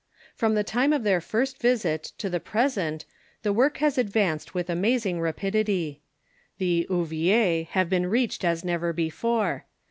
From the time of their first visit to the present the work has advanced Avith amazing rapidity. The ouvriers have been reached as never before.